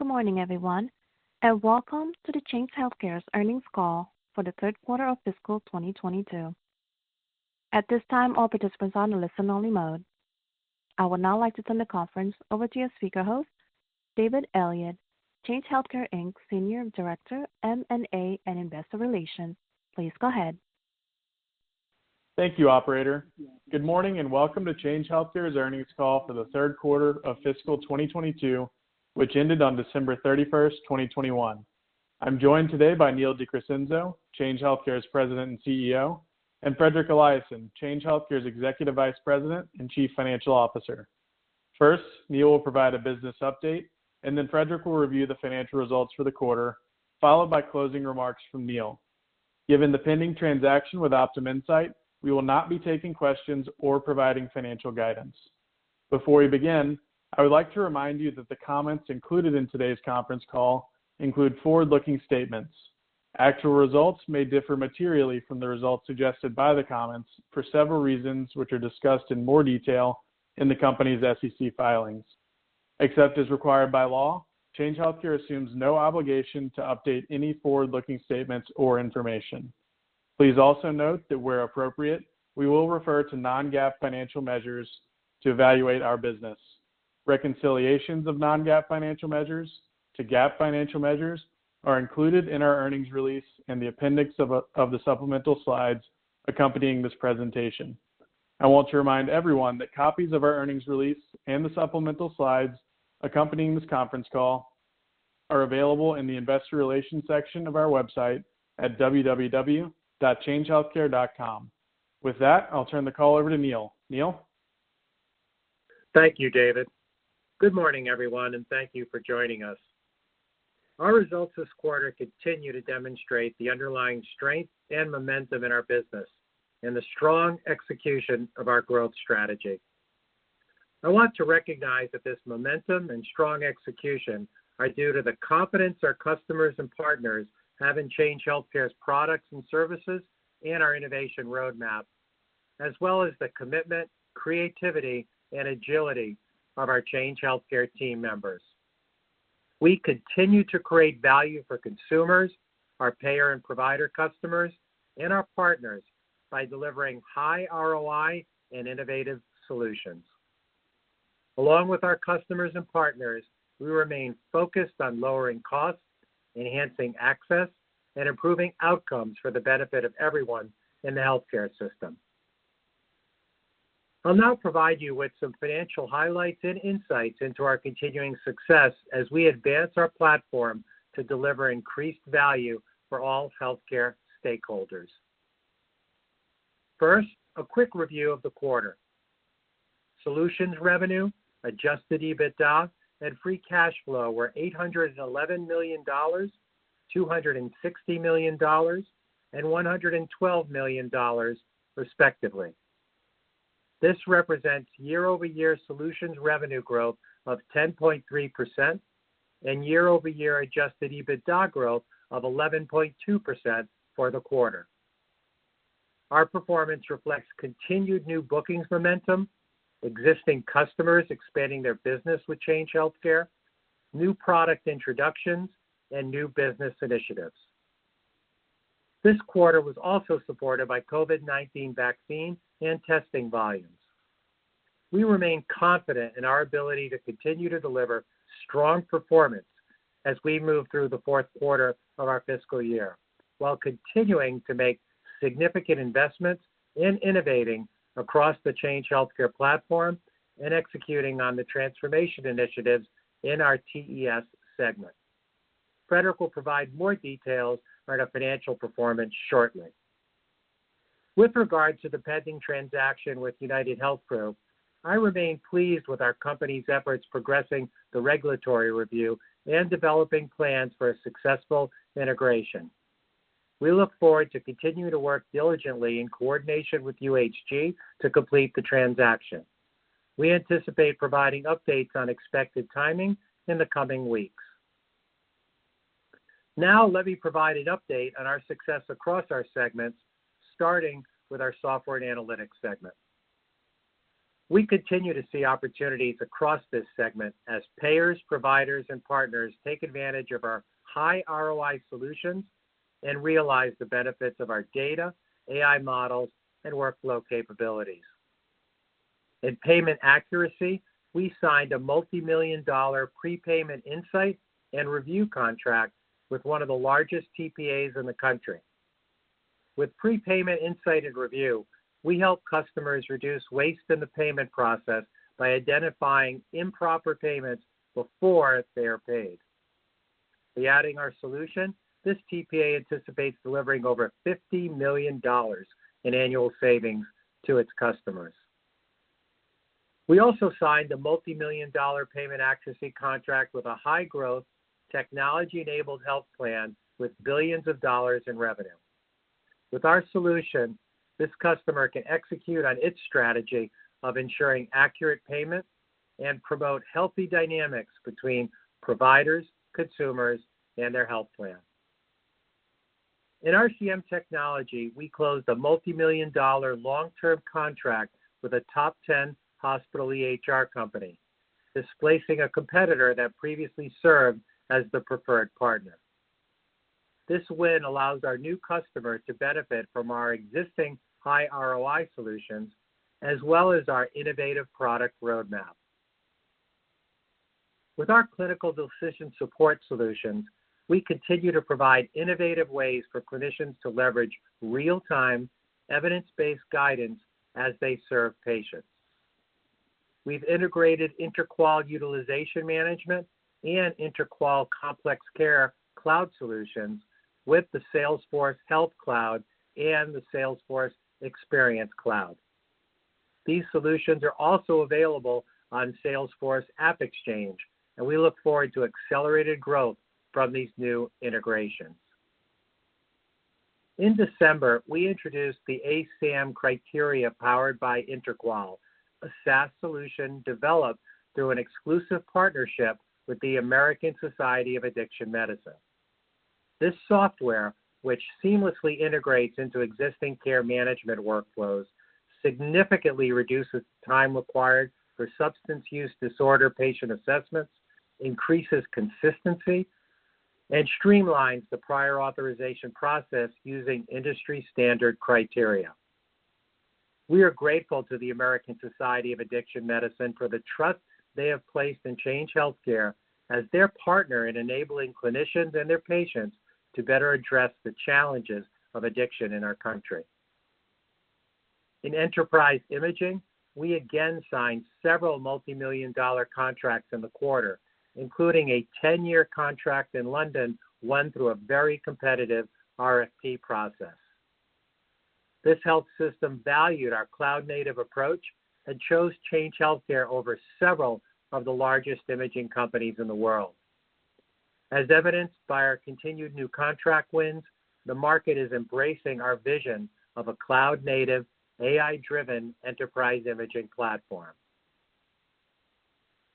Good morning, everyone, and welcome to Change Healthcare's earnings call for the third quarter of fiscal 2022. At this time, all participants are on listen-only mode. I would now like to turn the conference over to your speaker host, David Elliott, Senior Director, M&A and Investor Relations, Change Healthcare Inc. Please go ahead. Thank you, operator. Good morning and welcome to Change Healthcare's earnings call for the third quarter of fiscal 2022, which ended on December 31, 2021. I'm joined today by Neil de Crescenzo, Change Healthcare's President and CEO, and Fredrik Eliasson, Change Healthcare's Executive Vice President and Chief Financial Officer. First, Neil will provide a business update, and then Fredrik will review the financial results for the quarter, followed by closing remarks from Neil. Given the pending transaction with Optum Insight, we will not be taking questions or providing financial guidance. Before we begin, I would like to remind you that the comments included in today's conference call include forward-looking statements. Actual results may differ materially from the results suggested by the comments for several reasons, which are discussed in more detail in the company's SEC filings. Except as required by law, Change Healthcare assumes no obligation to update any forward-looking statements or information. Please also note that where appropriate, we will refer to non-GAAP financial measures to evaluate our business. Reconciliations of non-GAAP financial measures to GAAP financial measures are included in our earnings release in the appendix of the supplemental slides accompanying this presentation. I want to remind everyone that copies of our earnings release and the supplemental slides accompanying this conference call are available in the investor relations section of our website at www.changehealthcare.com. With that, I'll turn the call over to Neil. Neil? Thank you, David. Good morning, everyone, and thank you for joining us. Our results this quarter continue to demonstrate the underlying strength and momentum in our business and the strong execution of our growth strategy. I want to recognize that this momentum and strong execution are due to the confidence our customers and partners have in Change Healthcare's products and services and our innovation roadmap, as well as the commitment, creativity, and agility of our Change Healthcare team members. We continue to create value for consumers, our payer and provider customers, and our partners by delivering high ROI and innovative solutions. Along with our customers and partners, we remain focused on lowering costs, enhancing access, and improving outcomes for the benefit of everyone in the healthcare system. I'll now provide you with some financial highlights and insights into our continuing success as we advance our platform to deliver increased value for all healthcare stakeholders. First, a quick review of the quarter. Solutions revenue, adjusted EBITDA, and free cash flow were $811 million, $260 million, and $112 million, respectively. This represents year-over-year solutions revenue growth of 10.3% and year-over-year adjusted EBITDA growth of 11.2% for the quarter. Our performance reflects continued new bookings momentum, existing customers expanding their business with Change Healthcare, new product introductions, and new business initiatives. This quarter was also supported by COVID-19 vaccine and testing volumes. We remain confident in our ability to continue to deliver strong performance as we move through the fourth quarter of our fiscal year while continuing to make significant investments in innovating across the Change Healthcare platform and executing on the transformation initiatives in our TES segment. Fredrik will provide more details on our financial performance shortly. With regard to the pending transaction with UnitedHealth Group, I remain pleased with our company's efforts progressing the regulatory review and developing plans for a successful integration. We look forward to continuing to work diligently in coordination with UHG to complete the transaction. We anticipate providing updates on expected timing in the coming weeks. Now, let me provide an update on our success across our segments, starting with our software and analytics segment. We continue to see opportunities across this segment as payers, providers, and partners take advantage of our high ROI solutions and realize the benefits of our data, AI models, and workflow capabilities. In payment accuracy, we signed a multi-million-dollar Prepayment Insight and Review contract with one of the largest TPAs in the country. With Prepayment Insight and Review, we help customers reduce waste in the payment process by identifying improper payments before they are paid. By adding our solution, this TPA anticipates delivering over $50 million in annual savings to its customers. We also signed a multi-million-dollar payment accuracy contract with a high-growth, technology-enabled health plan with billions of dollars in revenue. With our solution, this customer can execute on its strategy of ensuring accurate payments and promote healthy dynamics between providers, consumers, and their health plan. In RCM technology, we closed a multimillion-dollar long-term contract with a top 10 hospital EHR company, displacing a competitor that previously served as the preferred partner. This win allows our new customer to benefit from our existing high ROI solutions, as well as our innovative product roadmap. With our clinical decision support solutions, we continue to provide innovative ways for clinicians to leverage real-time evidence-based guidance as they serve patients. We've integrated InterQual Utilization Management and InterQual Complex Care cloud solutions with the Salesforce Health Cloud and the Salesforce Experience Cloud. These solutions are also available on Salesforce AppExchange, and we look forward to accelerated growth from these new integrations. In December, we introduced the ASAM Criteria powered by InterQual, a SaaS solution developed through an exclusive partnership with the American Society of Addiction Medicine. This software, which seamlessly integrates into existing care management workflows, significantly reduces time required for substance use disorder patient assessments, increases consistency, and streamlines the prior authorization process using industry standard criteria. We are grateful to the American Society of Addiction Medicine for the trust they have placed in Change Healthcare as their partner in enabling clinicians and their patients to better address the challenges of addiction in our country. In enterprise imaging, we again signed several multimillion-dollar contracts in the quarter, including a 10-year contract in London won through a very competitive RFP process. This health system valued our cloud-native approach and chose Change Healthcare over several of the largest imaging companies in the world. As evidenced by our continued new contract wins, the market is embracing our vision of a cloud-native, AI-driven enterprise imaging platform.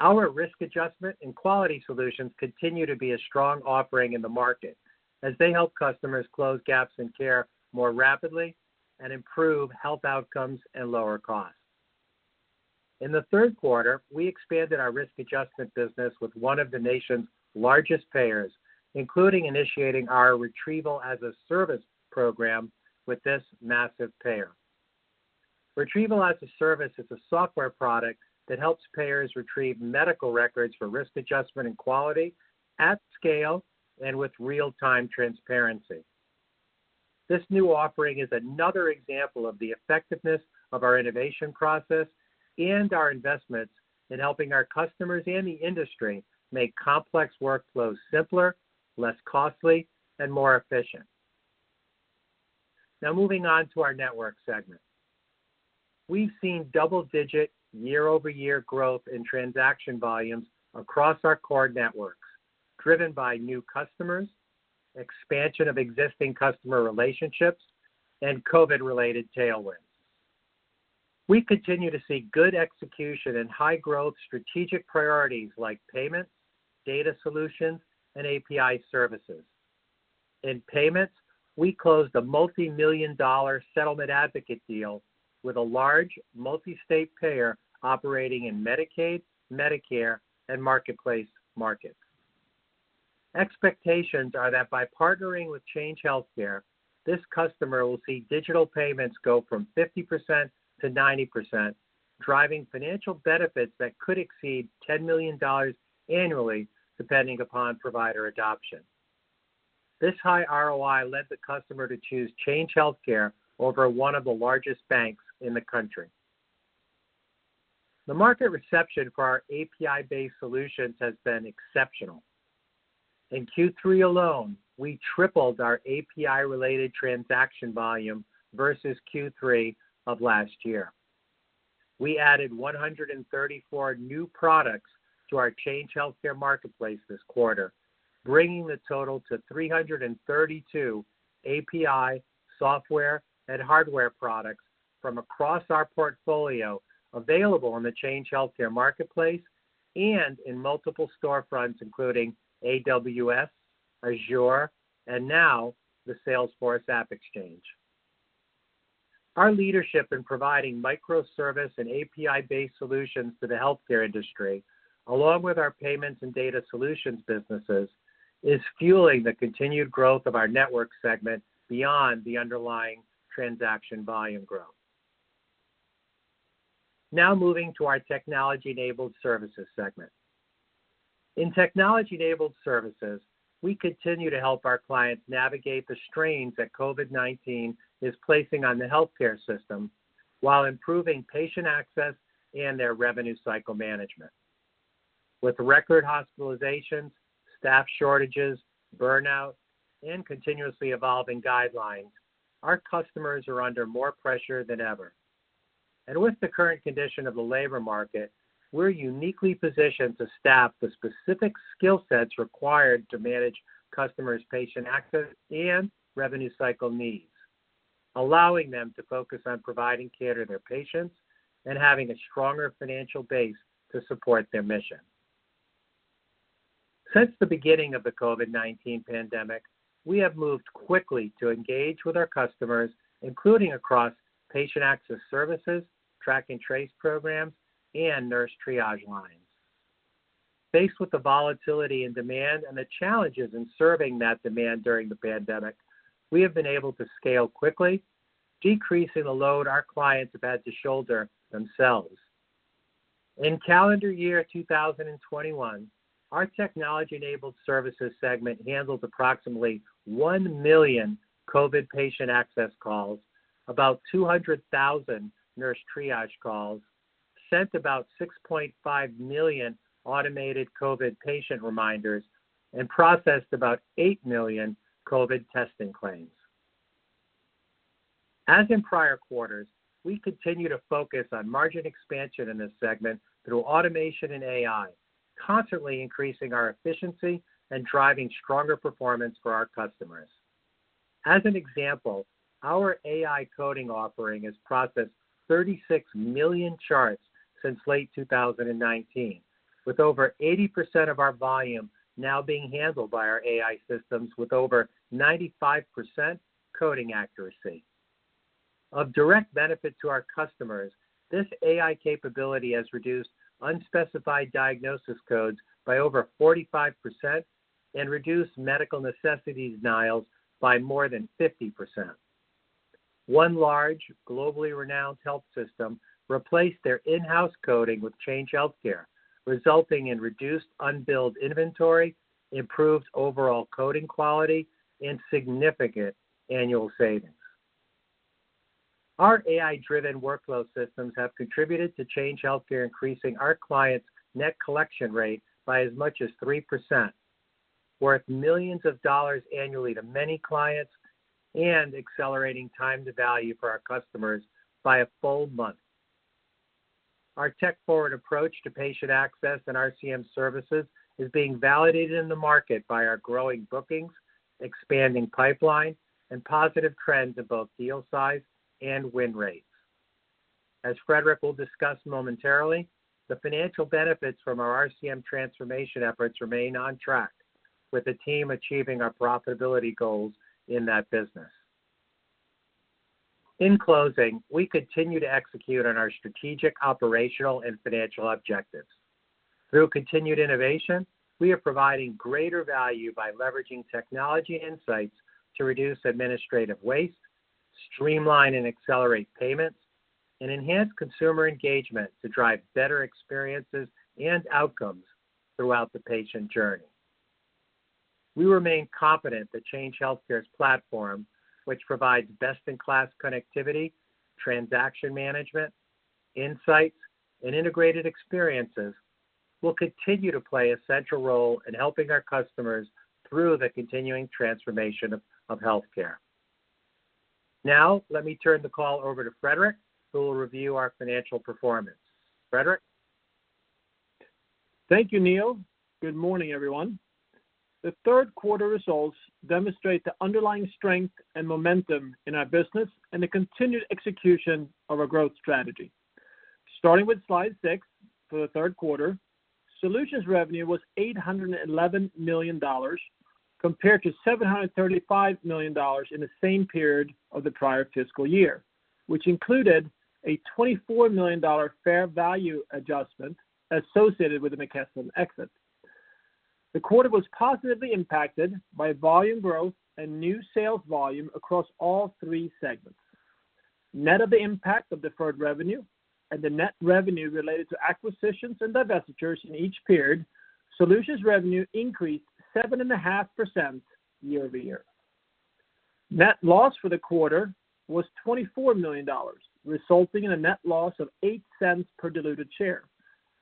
Our risk adjustment and quality solutions continue to be a strong offering in the market as they help customers close gaps in care more rapidly and improve health outcomes and lower costs. In the third quarter, we expanded our risk adjustment business with one of the nation's largest payers, including initiating our Retrieval as a Service program with this massive payer. Retrieval as a Service is a software product that helps payers retrieve medical records for risk adjustment and quality at scale and with real-time transparency. This new offering is another example of the effectiveness of our innovation process and our investments in helping our customers and the industry make complex workflows simpler, less costly, and more efficient. Now moving on to our network segment. We've seen double-digit year-over-year growth in transaction volumes across our core networks, driven by new customers, expansion of existing customer relationships, and COVID-related tailwinds. We continue to see good execution and high growth strategic priorities like payments, data solutions, and API services. In payments, we closed a multimillion-dollar Settlement Advocate deal with a large multi-state payer operating in Medicaid, Medicare, and Marketplace markets. Expectations are that by partnering with Change Healthcare, this customer will see digital payments go from 50% to 90%, driving financial benefits that could exceed $10 million annually, depending upon provider adoption. This high ROI led the customer to choose Change Healthcare over one of the largest banks in the country. The market reception for our API-based solutions has been exceptional. In Q3 alone, we tripled our API-related transaction volume versus Q3 of last year. We added 134 new products to our Change Healthcare Marketplace this quarter, bringing the total to 332 API software and hardware products from across our portfolio available on the Change Healthcare Marketplace and in multiple storefronts, including AWS, Azure, and now the Salesforce AppExchange. Our leadership in providing microservice and API-based solutions to the healthcare industry, along with our payments and data solutions businesses, is fueling the continued growth of our Network segment beyond the underlying transaction volume growth. Now moving to our Technology-Enabled Services segment. In Technology-Enabled Services, we continue to help our clients navigate the strains that COVID-19 is placing on the healthcare system while improving patient access and their revenue cycle management. With record hospitalizations, staff shortages, burnout, and continuously evolving guidelines, our customers are under more pressure than ever. With the current condition of the labor market, we're uniquely positioned to staff the specific skill sets required to manage customers' patient access and revenue cycle needs, allowing them to focus on providing care to their patients and having a stronger financial base to support their mission. Since the beginning of the COVID-19 pandemic, we have moved quickly to engage with our customers, including across patient access services, track and trace programs, and nurse triage lines. Faced with the volatility and demand and the challenges in serving that demand during the pandemic, we have been able to scale quickly, decreasing the load our clients have had to shoulder themselves. In calendar year 2021, our Technology-Enabled Services segment handled approximately 1 million COVID patient access calls, about 200,000 nurse triage calls, sent about 6.5 million automated COVID patient reminders, and processed about 8 million COVID testing claims. As in prior quarters, we continue to focus on margin expansion in this segment through automation and AI, constantly increasing our efficiency and driving stronger performance for our customers. As an example, our AI coding offering has processed 36 million charts since late 2019, with over 80% of our volume now being handled by our AI systems with over 95% coding accuracy. Of direct benefit to our customers, this AI capability has reduced unspecified diagnosis codes by over 45% and reduced medical necessity denials by more than 50%. One large, globally renowned health system replaced their in-house coding with Change Healthcare, resulting in reduced unbilled inventory, improved overall coding quality, and significant annual savings. Our AI-driven workflow systems have contributed to Change Healthcare increasing our clients' net collection rate by as much as 3%, worth $ millions annually to many clients and accelerating time to value for our customers by a full month. Our tech-forward approach to patient access and RCM services is being validated in the market by our growing bookings, expanding pipeline, and positive trends in both deal size and win rates. As Fredrik will discuss momentarily, the financial benefits from our RCM transformation efforts remain on track, with the team achieving our profitability goals in that business. In closing, we continue to execute on our strategic, operational, and financial objectives. Through continued innovation, we are providing greater value by leveraging technology insights to reduce administrative waste, streamline and accelerate payments, and enhance consumer engagement to drive better experiences and outcomes throughout the patient journey. We remain confident that Change Healthcare's platform, which provides best-in-class connectivity, transaction management, insights, and integrated experiences, will continue to play a central role in helping our customers through the continuing transformation of healthcare. Now, let me turn the call over to Fredrik, who will review our financial performance. Fredrik? Thank you, Neil. Good morning, everyone. The third quarter results demonstrate the underlying strength and momentum in our business and the continued execution of our growth strategy. Starting with slide six, for the third quarter, solutions revenue was $811 million, compared to $735 million in the same period of the prior fiscal year, which included a $24 million fair value adjustment associated with the McKesson exit. The quarter was positively impacted by volume growth and new sales volume across all three segments. Net of the impact of deferred revenue and the net revenue related to acquisitions and divestitures in each period, solutions revenue increased 7.5% year-over-year. Net loss for the quarter was $24 million, resulting in a net loss of $0.08 per diluted share,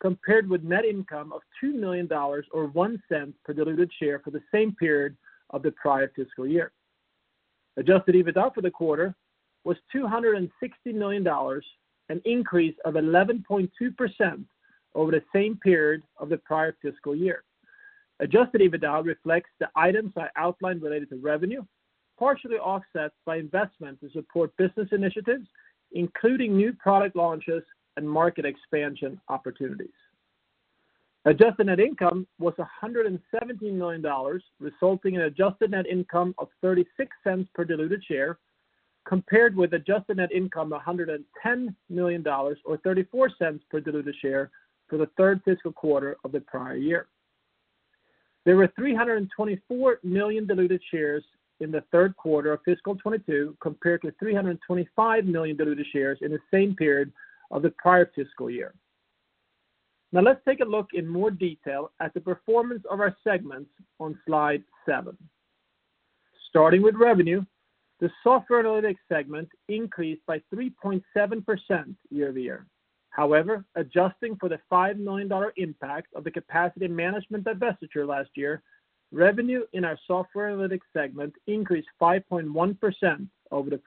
compared with net income of $2 million or $0.01 per diluted share for the same period of the prior fiscal year. Adjusted EBITDA for the quarter was $260 million, an increase of 11.2% over the same period of the prior fiscal year. Adjusted EBITDA reflects the items I outlined related to revenue, partially offset by investment to support business initiatives, including new product launches and market expansion opportunities. Adjusted net income was $117 million, resulting in adjusted net income of $0.36 per diluted share, compared with adjusted net income of $110 million or $0.34 per diluted share for the third fiscal quarter of the prior year. There were 324 million diluted shares in the third quarter of fiscal 2022, compared to 325 million diluted shares in the same period of the prior fiscal year. Now let's take a look in more detail at the performance of our segments on slide 7. Starting with revenue, the software analytics segment increased by 3.7% year-over-year. However, adjusting for the $5 million impact of the Capacity Management divestiture last year, revenue in our software analytics segment increased 5.1% over the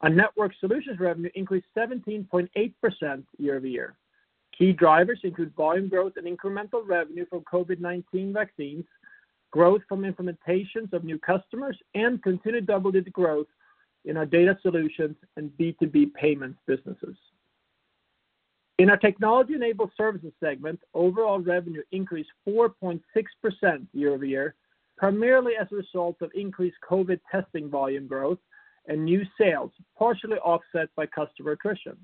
prior year. Our network solutions revenue increased 17.8% year-over-year. Key drivers include volume growth and incremental revenue from COVID-19 vaccines, growth from implementations of new customers, and continued double-digit growth in our data solutions and B2B payment businesses. In our Technology-Enabled Services segment, overall revenue increased 4.6% year-over-year, primarily as a result of increased COVID testing volume growth and new sales, partially offset by customer attrition.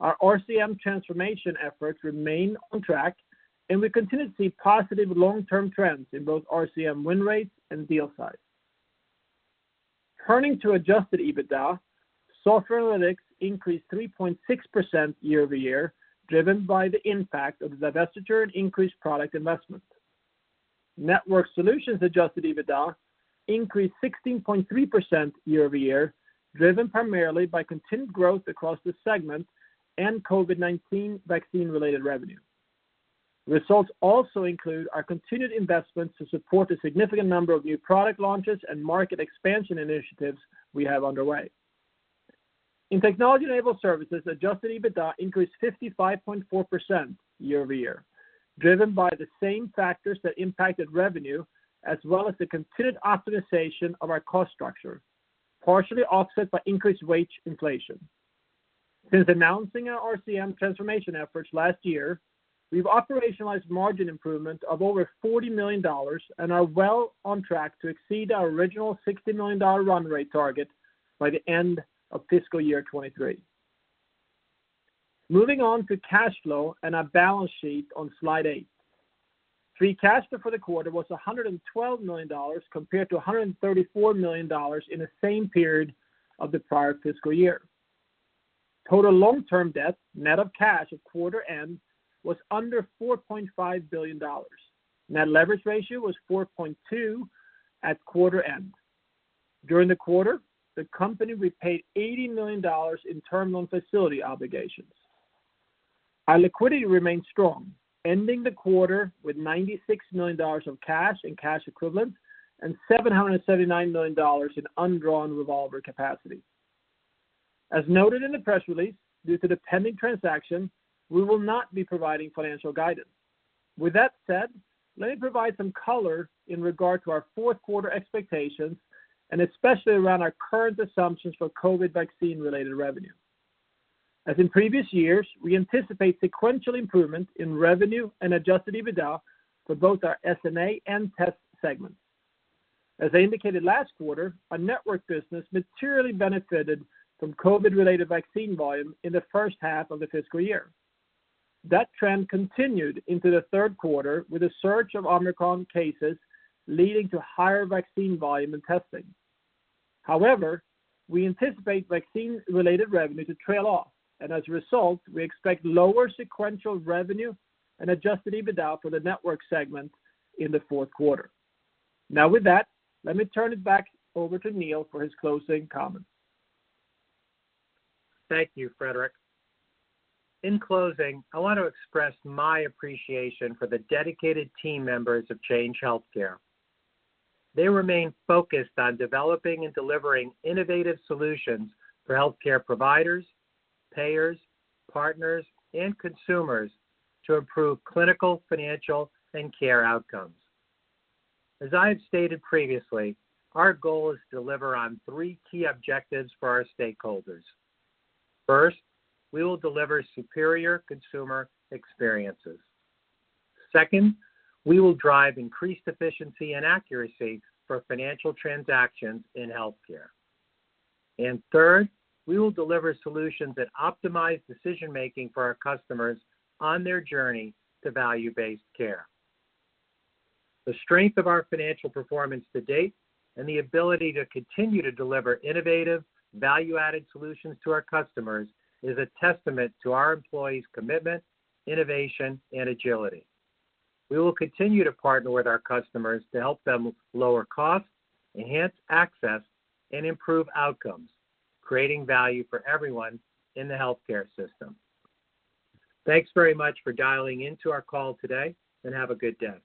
Our RCM transformation efforts remain on track, and we continue to see positive long-term trends in both RCM win rates and deal size. Turning to adjusted EBITDA, Software and Analytics increased 3.6% year-over-year, driven by the impact of the divestiture and increased product investment. Network Solutions adjusted EBITDA increased 16.3% year-over-year, driven primarily by continued growth across the segment and COVID-19 vaccine-related revenue. Results also include our continued investments to support the significant number of new product launches and market expansion initiatives we have underway. In Technology-Enabled Services, adjusted EBITDA increased 55.4% year-over-year, driven by the same factors that impacted revenue as well as the continued optimization of our cost structure, partially offset by increased wage inflation. Since announcing our RCM transformation efforts last year, we've operationalized margin improvement of over $40 million and are well on track to exceed our original $60 million run rate target by the end of fiscal year 2023. Moving on to cash flow and our balance sheet on slide 8. Free cash flow for the quarter was $112 million compared to $134 million in the same period of the prior fiscal year. Total long-term debt, net of cash at quarter end, was under $4.5 billion. Net leverage ratio was 4.2 at quarter end. During the quarter, the company repaid $80 million in term loan facility obligations. Our liquidity remains strong, ending the quarter with $96 million of cash and cash equivalents and $779 million in undrawn revolver capacity. As noted in the press release, due to the pending transaction, we will not be providing financial guidance. With that said, let me provide some color in regard to our fourth quarter expectations, and especially around our current assumptions for COVID vaccine-related revenue. As in previous years, we anticipate sequential improvement in revenue and adjusted EBITDA for both our S&A and TES segments. As I indicated last quarter, our network business materially benefited from COVID-related vaccine volume in the first half of the fiscal year. That trend continued into the third quarter with a surge of Omicron cases leading to higher vaccine volume and testing. However, we anticipate vaccine-related revenue to trail off, and as a result, we expect lower sequential revenue and adjusted EBITDA for the network segment in the fourth quarter. Now with that, let me turn it back over to Neil for his closing comments. Thank you, Fredrik. In closing, I want to express my appreciation for the dedicated team members of Change Healthcare. They remain focused on developing and delivering innovative solutions for healthcare providers, payers, partners, and consumers to improve clinical, financial, and care outcomes. As I have stated previously, our goal is to deliver on three key objectives for our stakeholders. First, we will deliver superior consumer experiences. Second, we will drive increased efficiency and accuracy for financial transactions in healthcare. Third, we will deliver solutions that optimize decision-making for our customers on their journey to value-based care. The strength of our financial performance to date and the ability to continue to deliver innovative, value-added solutions to our customers is a testament to our employees' commitment, innovation, and agility. We will continue to partner with our customers to help them lower costs, enhance access, and improve outcomes, creating value for everyone in the healthcare system. Thanks very much for dialing into our call today, and have a good day.